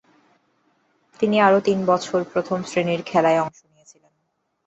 তিনি আরও তিন বছর প্রথম-শ্রেণীর খেলায় অংশ নিয়েছিলেন।